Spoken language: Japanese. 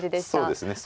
そうですね